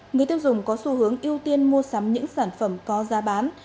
người tiêu dùng có xu hướng ưu tiên mua sắm những sản phẩm có giá bán